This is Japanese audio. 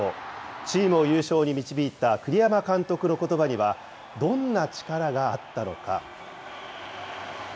チームを優勝に導いた栗山監督のことばには、どんな力があったのか。